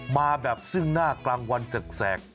มาแบบซึ่งหน้ากลางวันแสก